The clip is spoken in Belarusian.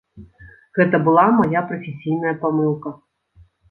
Гэта была мая прафесійная памылка!